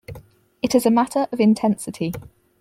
It is a matter of intensity.